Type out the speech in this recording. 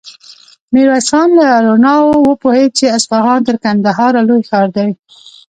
ميرويس خان له رڼاوو وپوهېد چې اصفهان تر کندهاره لوی ښار دی.